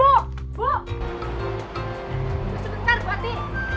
sebentar bu ati